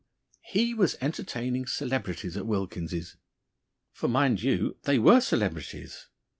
he was entertaining celebrities at Wilkins's. For, mind you, they were celebrities.